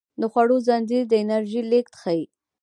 د خوړو زنځیر د انرژۍ لیږد ښيي